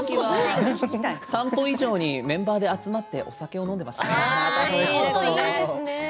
散歩以上にメンバーで集まってお酒を飲んでいましたね。